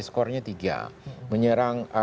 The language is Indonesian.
skornya tiga menyerang